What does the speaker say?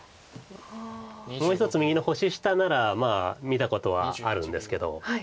もう１つ右の星下ならまあ見たことはあるんですけど。